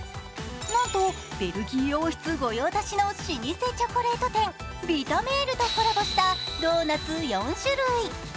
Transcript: なんとベルギー王室御用達の老舗チョコレート店ヴィタメールとコラボしたドーナツ４種類。